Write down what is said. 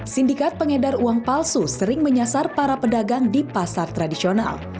sindikat pengedar uang palsu sering menyasar para pedagang di pasar tradisional